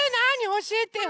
おしえてよ！